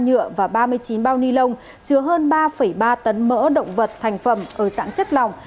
nhựa và ba mươi chín bao ni lông chứa hơn ba ba tấn mỡ động vật thành phẩm ở dạng chất lỏng